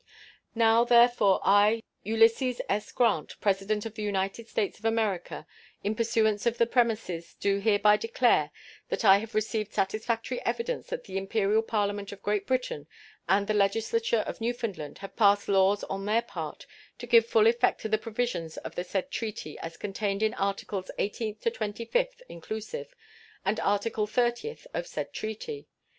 Now, therefore, I, Ulysses S. Grant, President of the United States of America, in pursuance of the premises, do hereby declare that I have received satisfactory evidence that the Imperial Parliament of Great Britain and the legislature of Newfoundland have passed laws on their part to give full effect to the provisions of the said treaty as contained in articles eighteenth to twenty fifth, inclusive, and article thirtieth of said treaty.